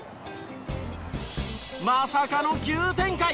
まさかの急展開！